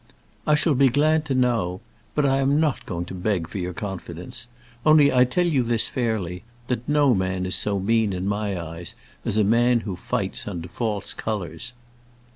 "I shall be glad to know . But I am not going to beg for your confidence; only I tell you this fairly, that no man is so mean in my eyes as a man who fights under false colours."